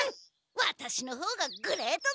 ワタシのほうがグレートだ！